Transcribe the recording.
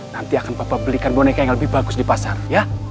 nanti akan bapak belikan boneka yang lebih bagus di pasar ya